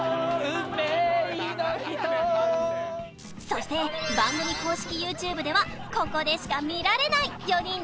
そして番組公式 ＹｏｕＴｕｂｅ ではここでしか見られない４人の演技レッスンを配信